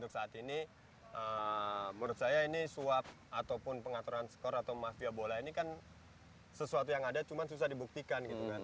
saat ini menurut saya ini suap ataupun pengaturan skor atau mafia bola ini kan sesuatu yang ada cuma susah dibuktikan gitu kan